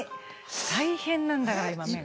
大変なんだから今目が。